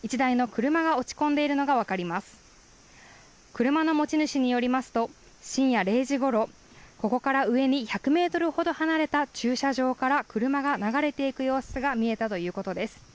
車の持ち主によりますと深夜０時ごろ、ここから上に１００メートルほど離れた駐車場から車が流れていく様子が見えたということです。